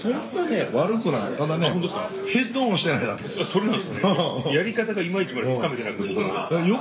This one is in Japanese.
それなんですよね。